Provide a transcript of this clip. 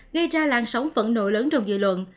gây ra làn sóng phận nội lớn trong dư luận